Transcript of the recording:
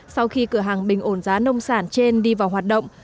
sau khi cửa hàng bình ổn giá nông sản trên đi vào hoạt động